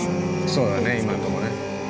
そうだね、今のところね。